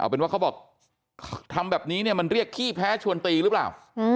เป็นว่าเขาบอกทำแบบนี้เนี่ยมันเรียกขี้แพ้ชวนตีหรือเปล่า